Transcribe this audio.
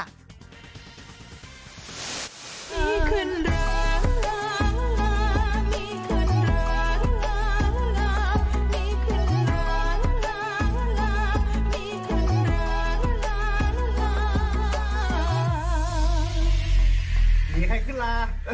หมี่และใครขึ้นรา